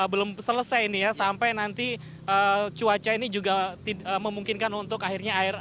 belum selesai ini ya sampai nanti cuaca ini juga memungkinkan untuk akhirnya air